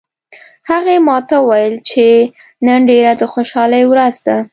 هغې ما ته وویل چې نن ډیره د خوشحالي ورځ ده